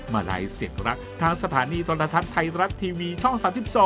ไลฟ์เสียงรักทางสถานีโทรทัศน์ไทยรัฐทีวีช่อง๓๒